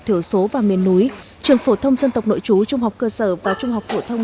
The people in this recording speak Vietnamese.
thiểu số và miền núi trường phổ thông dân tộc nội chú trung học cơ sở và trung học phổ thông